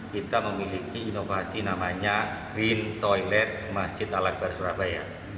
kita memiliki inovasi namanya green toilet masjid al akbar surabaya